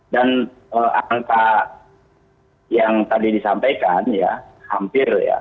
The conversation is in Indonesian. dan angka yang tadi disampaikan ya hampir ya